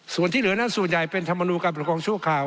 ส่วนที่เหลือนั้นส่วนใหญ่เป็นธรรมนูลการปกครองชั่วคราว